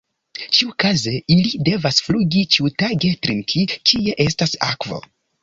Ĉiukaze ili devas flugi ĉiutage trinki kie estas akvo.